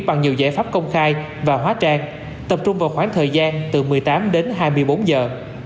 bằng nhiều giải pháp công khai và hóa trang tập trung vào khoảng thời gian từ một mươi tám đến hai mươi bốn giờ